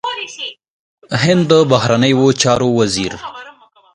د هند بهرنیو چارو وزیر